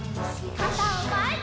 かたをまえに！